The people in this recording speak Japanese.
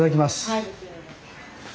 はい。